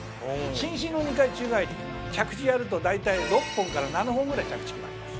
伸身の２回宙返りは着地やると大体６本から７本ぐらい着地決まります。